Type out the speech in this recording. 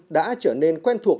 đã trở nên quen thuộc